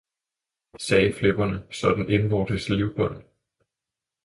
sagde flipperne, sådan indvortes livbånd!